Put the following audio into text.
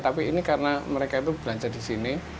tapi ini karena mereka itu belanja di sini